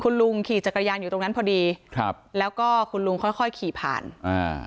คุณลุงขี่จักรยานอยู่ตรงนั้นพอดีครับแล้วก็คุณลุงค่อยค่อยขี่ผ่านอ่า